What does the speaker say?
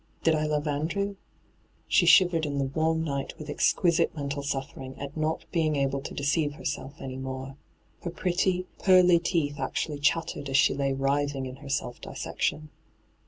Did I love Andrew ?' She shivered in the warm night with exquisite mental suffering at not being able to deceive herself any more ; hyGoo>^lc ENTRAPPED 173 her pretty, pearly teeth actually chattered as she lay writhing in her self dissection.